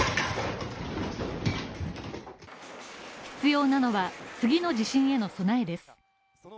必要なのは、次の地震への備えです。